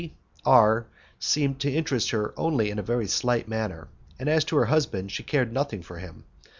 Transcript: D R seemed to interest her only in a very slight manner, and as to her husband, she cared nothing for him.